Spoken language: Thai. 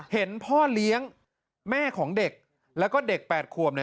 เห็นพ่อเลี้ยงแม่ของเด็กแล้วก็เด็ก๘ขวบเนี่ย